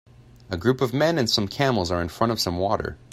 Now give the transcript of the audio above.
A group of men and some camels are in front of some water.